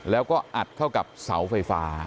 แล้วก็อัดเข้ากับเสาไฟฟ้า